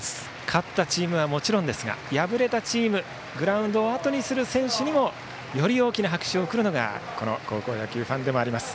勝ったチームはもちろんですが敗れたチームグラウンドをあとにする選手にもより大きな拍手を送るのが高校野球ファンでもあります。